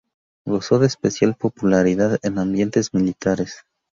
Gozó de especial popularidad en ambientes militares.